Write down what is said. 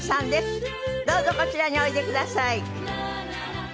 どうぞこちらにおいでください。